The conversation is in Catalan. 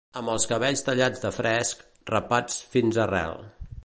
Amb els cabells tallats de fresc, rapats fins arrel